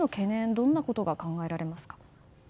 どんなことが考えられますか。